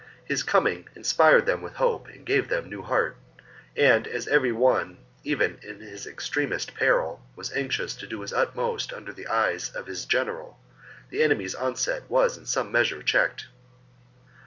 His coming inspired them with hope and gave them new heart ; and as every one, even in his extremest peril, was anxious to do his utmost under the eyes of his general, the enemy's onset was in some measure checked.